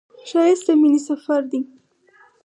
ښایست د مینې سفر دی